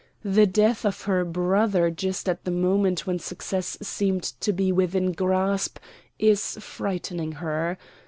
The death of her brother just at the moment when success seemed to be within grasp is frightening her.